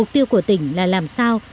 tiêu của tỉnh là làm sao